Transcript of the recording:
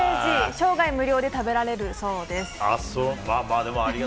生涯無料で食べられるそうです。